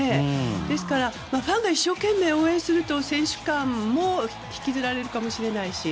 ですから、ファンが一生懸命応援すると選手間も引きずられるかもしれないし。